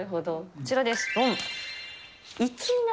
こちらです、どん。